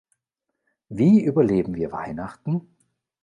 Wie überleben wir Weihnachten?